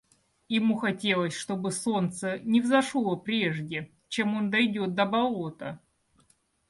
Ему хотелось, чтобы солнце не взошло прежде, чем он дойдет до болота.